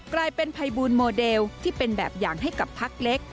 กลายเป็นภัยบูลโมเดลที่เป็นแบบอย่างให้กับพักเล็ก